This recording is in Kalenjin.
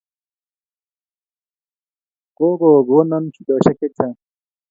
ko go kon shidoshek chechang